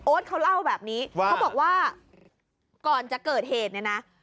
เขาเล่าแบบนี้เขาบอกว่าก่อนจะเกิดเหตุเนี่ยนะ